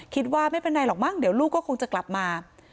คิดว่าไม่เป็นไรหรอกมั้งเดี๋ยวลูกก็คงจะกลับมา